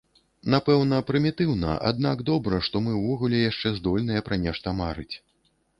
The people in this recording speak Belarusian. Напэўна, прымітыўна, аднак добра, што мы ўвогуле яшчэ здольныя пра нешта марыць.